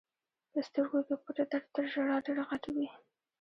په سترګو کې پټ درد تر ژړا ډېر غټ وي.